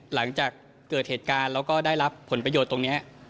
หลังจากเกิดเหตุการณ์แล้วก็ได้รับผลประโยชน์ตรงนี้